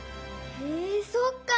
へえそっか！